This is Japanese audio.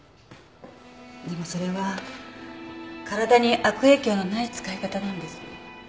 でもそれは体に悪影響のない使い方なんです。